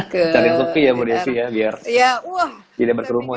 cari sufi ya buat sufi ya biar tidak berkerumun